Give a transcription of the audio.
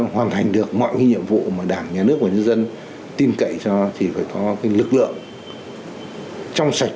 hoàn thành được mọi nhiệm vụ mà đảng nhà nước của dân tin cậy cho thì phải có lực lượng trong sạch